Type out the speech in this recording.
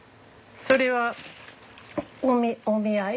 それはお見合い？